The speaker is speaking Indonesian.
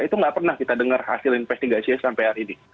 itu nggak pernah kita dengar hasil investigasinya sampai hari ini